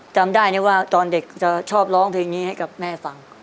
จำได้ว่าตอนเด็กจะชอบร้องเพลงนี้ให้กับแม่ฟัง